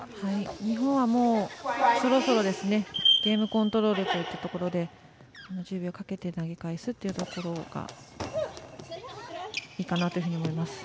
日本はもう、そろそろゲームコントロールといったところで１０秒かけて投げ返すのがいいかなと思います。